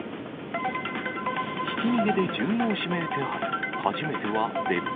ひき逃げで重要指名手配。